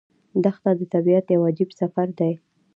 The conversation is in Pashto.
دښته د طبیعت یو عجیب سفر دی.